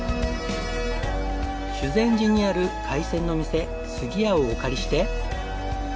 修善寺にある海鮮の店すぎ屋をお借りして。